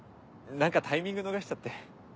何かタイミング逃しちゃって。